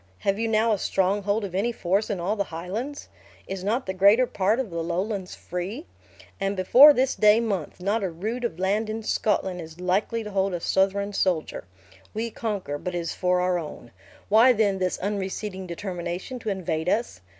Have you now a stronghold of any force in all the Highlands? Is not the greater part of the Lowlands free? And before this day month, not a rood of land in Scotland is likely to hold a Southron soldier. We conquer, but it is for our own. Why then this unreceding determination to invade us?